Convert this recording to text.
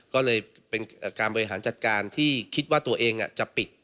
ก็เลยเป็นการบริหารจัดการที่คิดว่าตัวเองจะปิด